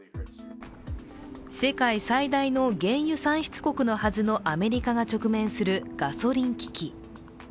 世界最大の原油産出国のはずのアメリカが直面するガソリン危機。